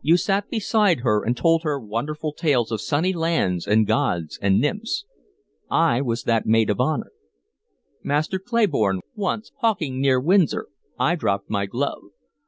You sat beside her, and told her wonderful tales of sunny lands and gods and nymphs. I was that maid of honor. Master Clayborne, once, hawking near Windsor, I dropped my glove.